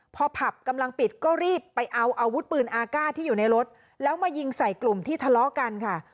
พอผับกำลังปิดก็รีบไปเอาอาวุธปืนอากาศที่อยู่ในรถแล้วมายิงใส่กลุ่มที่ทะเลาะกันค่ะ